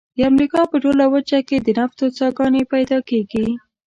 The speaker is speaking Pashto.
د امریکا په ټوله وچه کې د نفتو څاګانې پیدا کیږي.